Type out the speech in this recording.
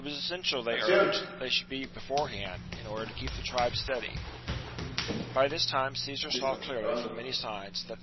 essential, they urged, that they should be before hand, in order to keep the tribe steady. By this VII OF VERCINGETORIX 247 time Caesar saw clearly from many signs that the 52 b.